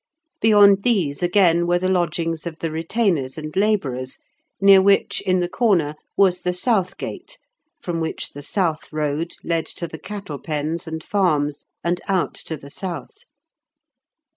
Beyond these, again, were the lodgings of the retainers and labourers, near which, in the corner, was the South Gate, from which the South Road led to the cattle pens and farms, and out to the south.